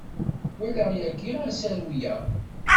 Walaɣ yagi asaru-a.